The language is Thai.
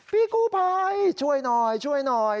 พี่กู้ภัยช่วยหน่อยช่วยหน่อย